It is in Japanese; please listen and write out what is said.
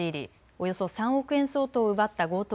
およそ３億円相当を奪った強盗